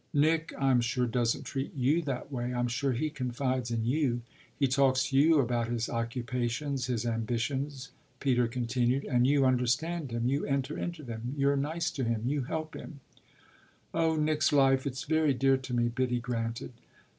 "Nick, I'm sure, doesn't treat you that way; I'm sure he confides in you; he talks to you about his occupations, his ambitions," Peter continued. "And you understand him, you enter into them, you're nice to him, you help him." "Oh Nick's life it's very dear to me," Biddy granted.